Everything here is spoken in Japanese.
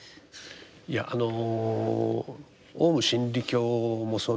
いやあのオウム真理教もそうなんですがね